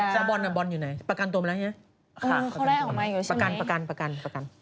เขาแรกออกมาอยู่แล้วใช่ไหม